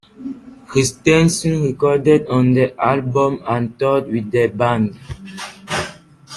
Christensen recorded on the album and toured with the band.